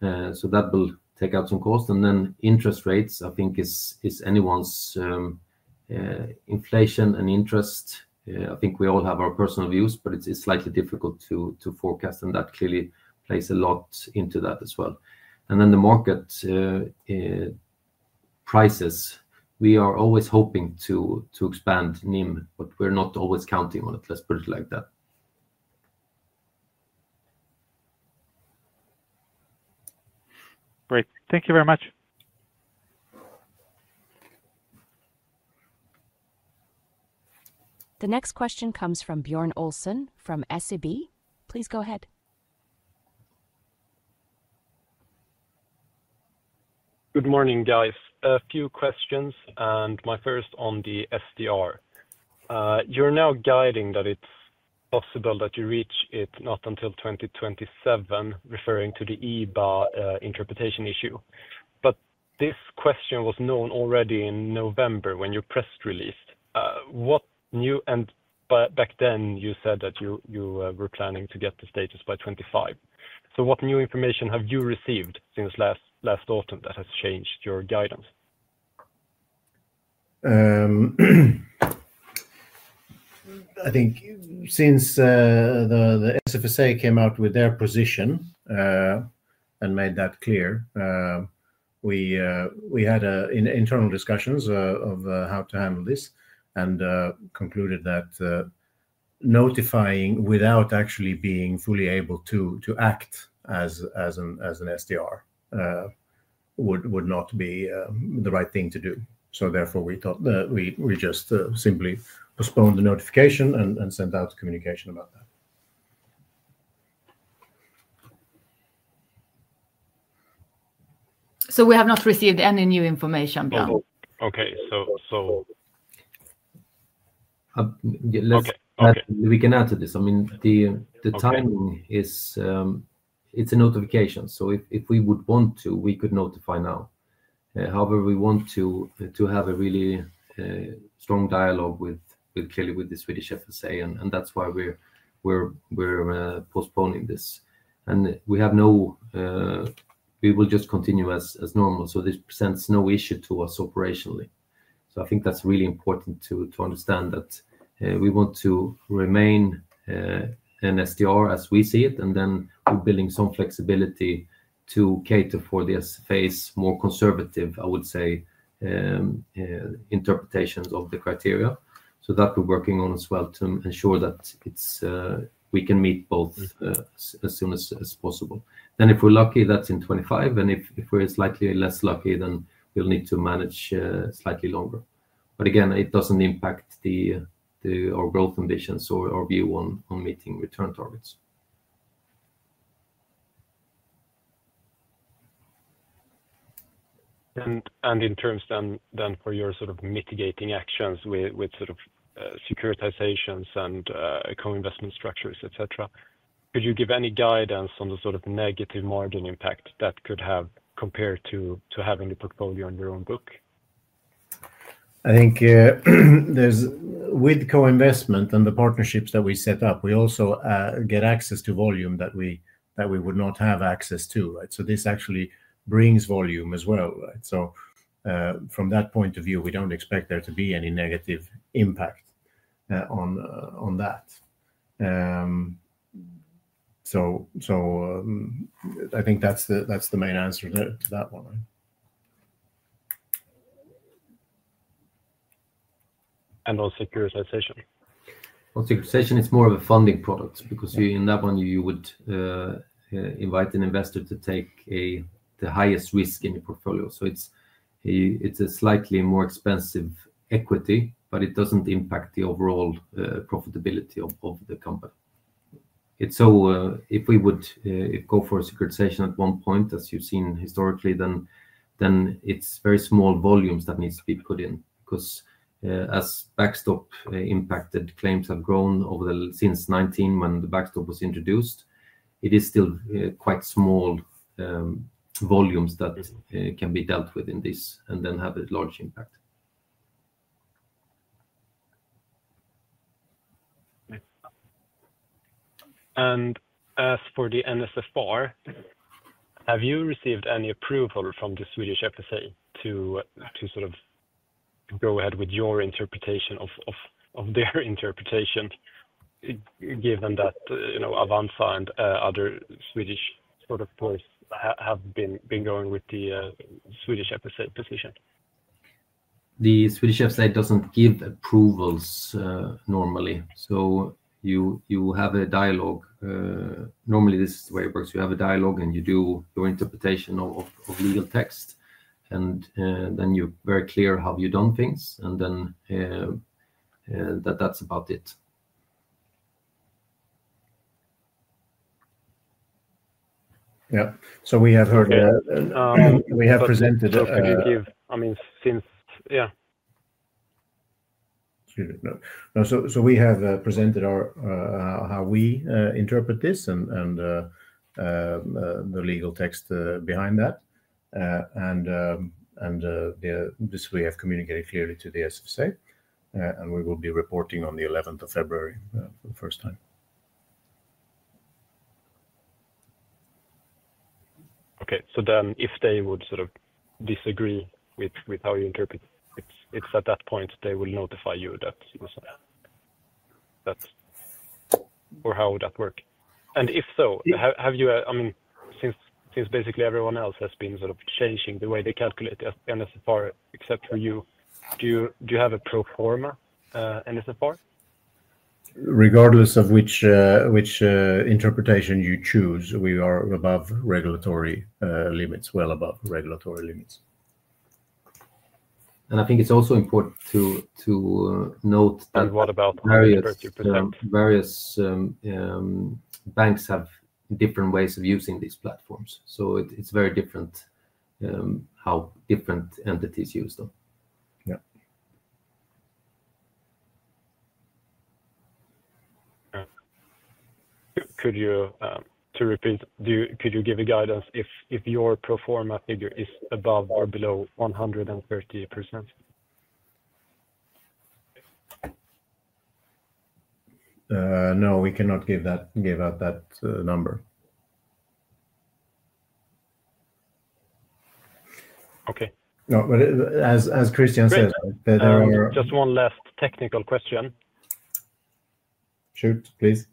So that will take out some cost. And then interest rates, I think, is anyone's inflation and interest. I think we all have our personal views, but it's slightly difficult to forecast. And that clearly plays a lot into that as well. And then the market prices, we are always hoping to expand NIM, but we're not always counting on it. Let's put it like that. Great. Thank you very much. The next question comes from Björn Olsson from SEB. Please go ahead. Good morning, guys. A few questions, and my first on the SDR. You're now guiding that it's possible that you reach it not until 2027, referring to the EBA interpretation issue. But this question was known already in November when your press release. What's new? And back then, you said that you were planning to get the status by 2025. So what new information have you received since last autumn that has changed your guidance? I think since the SFSA came out with their position and made that clear, we had internal discussions of how to handle this and concluded that notifying without actually being fully able to act as an SDR would not be the right thing to do. So therefore, we just simply postponed the notification and sent out communication about that. So we have not received any new information? No. Okay. So okay. We can answer this. I mean, the timing is it's a notification. So if we would want to, we could notify now. However, we want to have a really strong dialogue with, clearly, the Swedish FSA, and that's why we're postponing this, and we will just continue as normal, so this presents no issue to us operationally. I think that's really important to understand that we want to remain an SDR as we see it, and then we're building some flexibility to cater for this phase, more conservative, I would say, interpretations of the criteria, so that we're working on as well to ensure that we can meet both as soon as possible. If we're lucky, that's in 2025, and if we're slightly less lucky, then we'll need to manage slightly longer, but again, it doesn't impact our growth ambitions or our view on meeting return targets. And in terms then for your sort of mitigating actions with sort of securitizations and co-investment structures, etc., could you give any guidance on the sort of negative margin impact that could have compared to having the portfolio on your own book? I think with co-investment and the partnerships that we set up, we also get access to volume that we would not have access to, right? So this actually brings volume as well, right? So from that point of view, we don't expect there to be any negative impact on that. So I think that's the main answer to that one. And on securitization? On securitization, it's more of a funding product because in that one, you would invite an investor to take the highest risk in the portfolio. So it's a slightly more expensive equity, but it doesn't impact the overall profitability of the company. So if we would go for a securitization at one point, as you've seen historically, then it's very small volumes that need to be put in because as backstop impacted claims have grown since 2019 when the backstop was introduced, it is still quite small volumes that can be dealt with in this and then have a large impact. And as for the NSFR, have you received any approval from the Swedish SFSA to sort of go ahead with your interpretation of their interpretation, given that Avanza and other Swedish sort of banks have been going with the Swedish SFSA position? The Swedish SFSA doesn't give approvals normally. So you have a dialogue. Normally, this is the way it works. You have a dialogue and you do your interpretation of legal text. And then you're very clear how you've done things. And then that's about it. Yeah. We have presented, I mean, since yeah, So, how we interpret this and the legal text behind that. This we have communicated clearly to the SFSA. We will be reporting on the 11th of February for the first time. Okay. Then if they would sort of disagree with how you interpret it, it's at that point they will notify you that or how would that work? If so, have you, I mean, since basically everyone else has been sort of changing the way they calculate the NSFR except for you, do you have a pro forma NSFR? Regardless of which interpretation you choose, we are above regulatory limits, well above regulatory limits. I think it's also important to note that various banks have different ways of using these platforms. It's very different how different entities use them. Yeah. To repeat, could you give a guidance if your pro forma figure is above or below 130%? No, we cannot give out that number. Okay. As Christian said, There are just one last technical question. Shoot, please.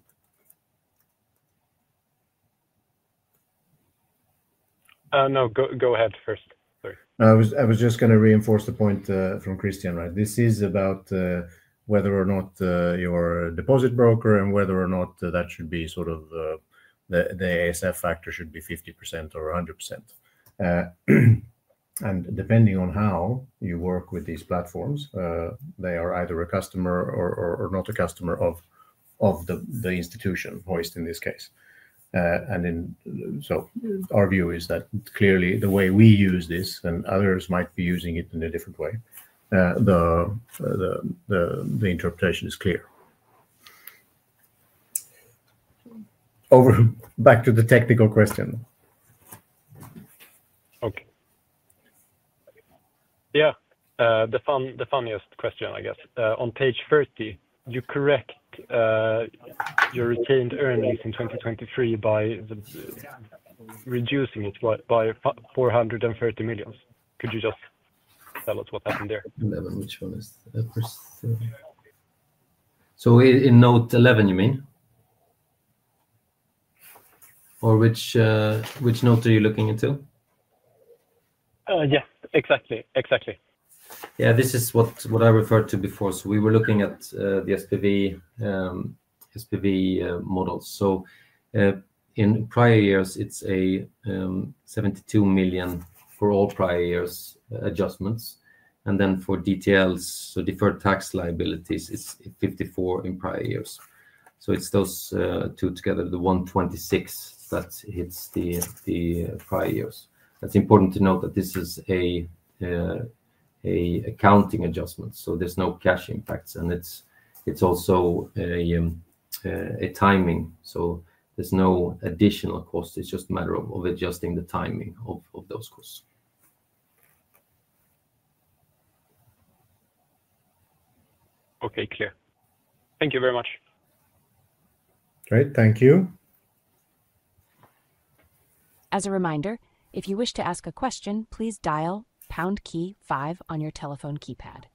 No, go ahead first. Sorry. I was just going to reinforce the point from Christian, right? This is about whether or not your deposit broker and whether or not that should be sort of the ASF factor should be 50% or 100%. And depending on how you work with these platforms, they are either a customer or not a customer of the institution Hoist in this case. And so our view is that clearly the way we use this and others might be using it in a different way, the interpretation is clear. Back to the technical question. Okay. Yeah. The funniest question, I guess. On page 30, you correct your retained earnings in 2023 by reducing it by 430 million. Could you just tell us what happened there? 11, which one is the first? So in note 11, you mean? Or which note are you looking into? Yes. Exactly. Exactly. Yeah. This is what I referred to before. So we were looking at the SPV models. So in prior years, it's a 72 million for all prior years adjustments. And then for DTLs, so deferred tax liabilities, it's 54 million in prior years. So it's those two together, the 126 million that hits the prior years. It's important to note that this is an accounting adjustment. So there's no cash impacts. And it's also a timing. So there's no additional cost. It's just a matter of adjusting the timing of those costs. Okay. Clear. Thank you very much. Great. Thank you. As a reminder, if you wish to ask a question, please dial pound key five on your telephone keypad.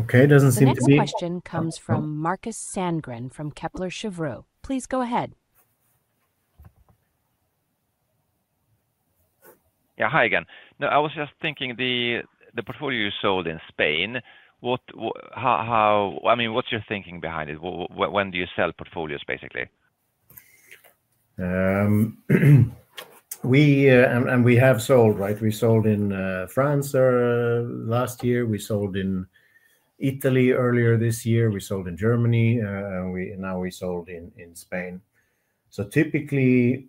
Okay. It doesn't seem to be. Another question comes from Markus Sandgren from Kepler Cheuvreux. Please go ahead. Yeah. Hi again. No, I was just thinking the portfolio you sold in Spain, I mean, what's your thinking behind it? When do you sell portfolios, basically? And we have sold, right? We sold in France last year. We sold in Italy earlier this year. We sold in Germany. And now we sold in Spain. So typically,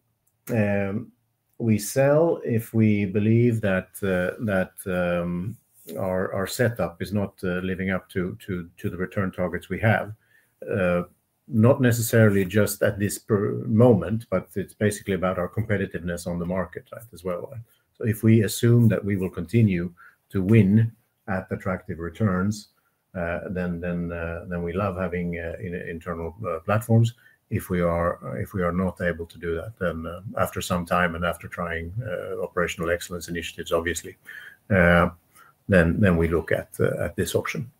we sell if we believe that our setup is not living up to the return targets we have. Not necessarily just at this moment, but it's basically about our competitiveness on the market, right, as well. So if we assume that we will continue to win at attractive returns, then we love having internal platforms. If we are not able to do that, then after some time and after trying operational excellence initiatives, obviously, then we look at this option.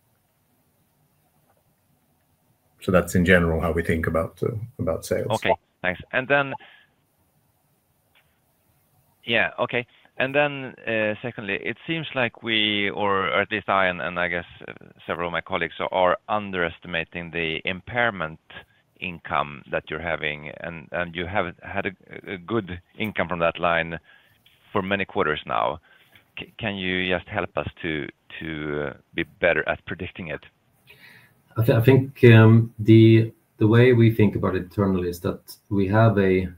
So that's in general how we think about sales. Okay. Thanks. And then, yeah, okay. And then secondly, it seems like we, or at least I and I guess several of my colleagues are underestimating the impairment income that you're having. And you have had a good income from that line for many quarters now. Can you just help us to be better at predicting it? I think the way we think about it internally is that we have a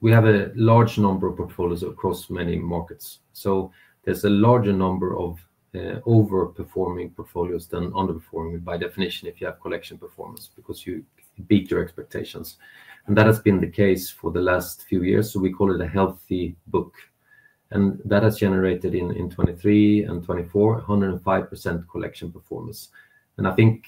large number of portfolios across many markets. So there's a larger number of overperforming portfolios than underperforming by definition if you have collection performance because you beat your expectations. And that has been the case for the last few years. So we call it a healthy book. And that has generated in 2023 and 2024, 105% collection performance. And I think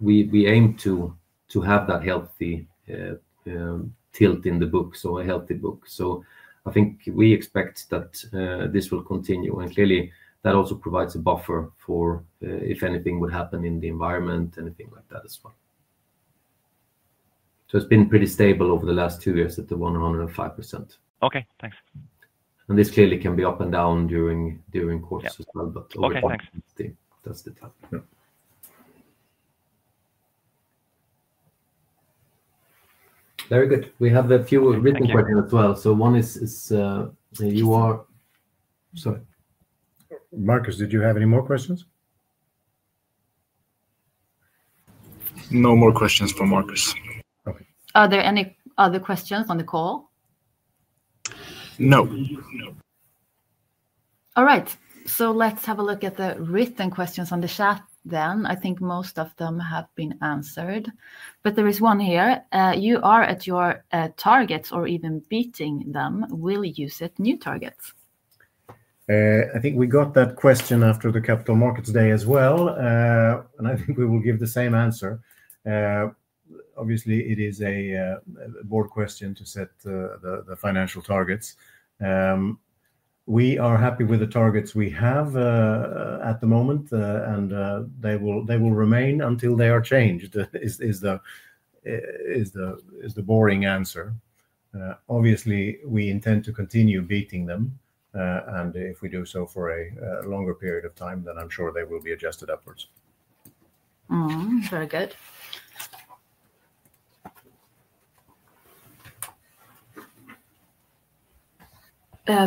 we aim to have that healthy tilt in the book, so a healthy book. So I think we expect that this will continue. And clearly, that also provides a buffer for if anything would happen in the environment, anything like that as well. So it's been pretty stable over the last two years at the 105%. Okay. Thanks. And this clearly can be up and down during quarters as well, but over time, that's the time. Very good. We have a few written questions as well. So one is you are sorry. Markus, did you have any more questions? No more questions from Markus. Okay. Are there any other questions on the call? No. All right. So let's have a look at the written questions on the chat then. I think most of them have been answered, but there is one here. "You are at your targets or even beating them. Will you set new targets?" I think we got that question after the Capital Markets Day as well, and I think we will give the same answer. Obviously, it is a board question to set the financial targets. We are happy with the targets we have at the moment, and they will remain until they are changed is the boring answer. Obviously, we intend to continue beating them, and if we do so for a longer period of time, then I'm sure they will be adjusted upwards. Very good.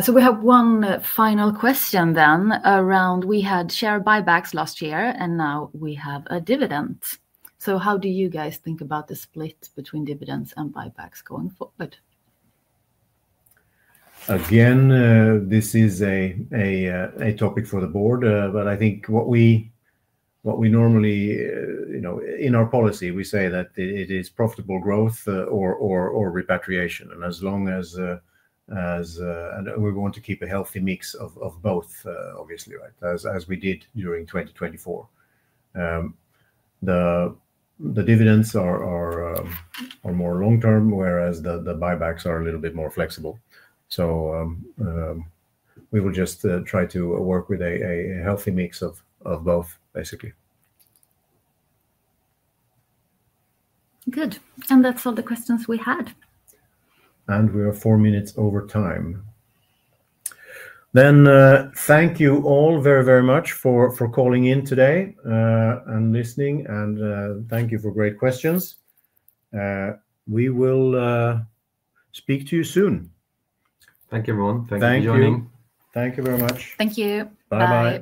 So we have one final question then around, we had share buybacks last year, and now we have a dividend. So how do you guys think about the split between dividends and buybacks going forward? Again, this is a topic for the board, but I think what we normally in our policy, we say that it is profitable growth or repatriation, and as long as we want to keep a healthy mix of both, obviously, right, as we did during 2024. The dividends are more long-term, whereas the buybacks are a little bit more flexible, so we will just try to work with a healthy mix of both, basically. Good, and that's all the questions we had. And we are four minutes over time, then thank you all very, very much for calling in today and listening, and thank you for great questions. We will speak to you soon. Thank you, everyone. Thank you for joining. Thank you. Thank you very much. Thank you. Bye. Bye.